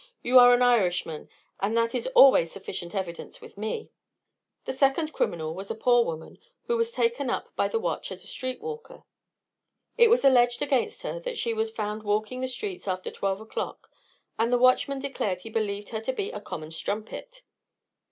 You are an Irishman, and that is always sufficient evidence with me." The second criminal was a poor woman, who was taken up by the watch as a street walker. It was alleged against her that she was found walking the streets after twelve o'clock, and the watchman declared he believed her to be a common strumpet.